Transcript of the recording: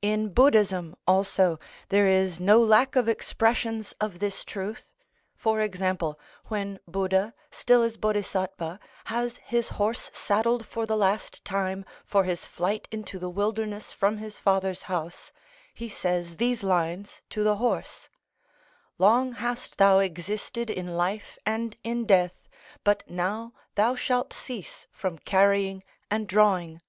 In Buddhism also, there is no lack of expressions of this truth. For example, when Buddha, still as Bodisatwa, has his horse saddled for the last time, for his flight into the wilderness from his father's house, he says these lines to the horse: "Long hast thou existed in life and in death, but now thou shalt cease from carrying and drawing.